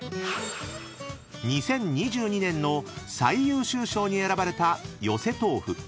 ［２０２２年の最優秀賞に選ばれたよせとうふ］